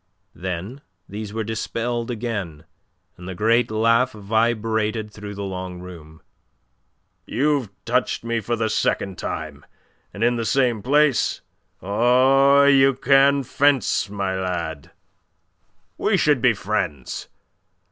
Then these were dispelled again, and the great laugh vibrated through the long room. "You've touched me for the second time, and in the same place. Oh, you can fence, my lad. We should be friends.